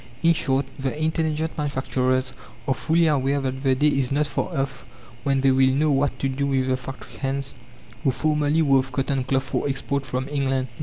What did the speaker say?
In short, the intelligent manufacturers are fully aware that the day is not far off when they will not know what to do with the "factory hands" who formerly wove cotton cloth for export from England.